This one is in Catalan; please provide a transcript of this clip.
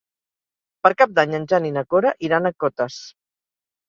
Per Cap d'Any en Jan i na Cora iran a Cotes.